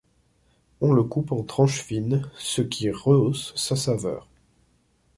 On le coupe en tranche fine ce qui rehausse sa saveur.